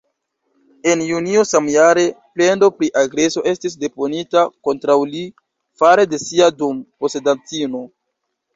En junio samjare, plendo pri agreso estis deponita kontraŭ li fare de sia dom-posedantino.